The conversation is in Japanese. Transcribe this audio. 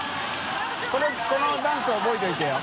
これこのダンス覚えておいてよ。